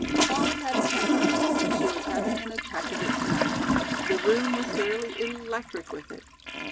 Polly had a temperament and she was having an attack of it to night; the room was fairly electric with it.